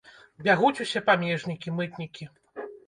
Бягуць усе памежнікі, мытнікі.